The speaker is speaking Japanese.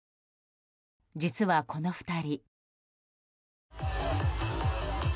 実はこの２人。